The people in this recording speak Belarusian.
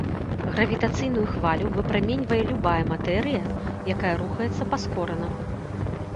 Гравітацыйную хвалю выпраменьвае любая матэрыя, якая рухаецца паскорана.